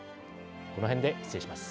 この辺で失礼します。